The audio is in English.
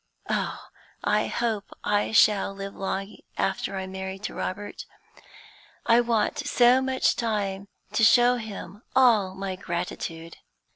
Oh, I hope I shall live long after I am married to Robert! I want so much time to show him all my gratitude!